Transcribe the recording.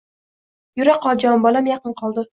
Yura qol, jon bolam, yaqin qoldi.